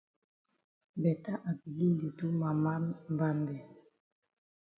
Beta I begin di do ma mbambe.